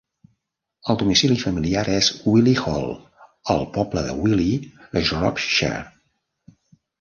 El domicili familiar és Willey Hall, al poble de Willey, Shropshire.